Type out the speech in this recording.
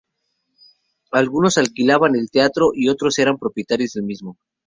Algunos alquilaban el teatro y otros eran propietarios del mismo.